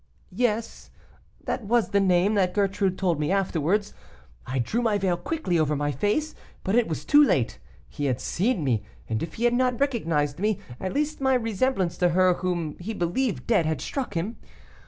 "Yes, that was the name that Gertrude told me afterwards. I drew my veil quickly over my face, but it was too late: he had seen me, and if he had not recognized me, at least my resemblance to her whom he believed dead had struck him.